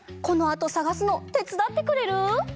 このあとさがすのてつだってくれる？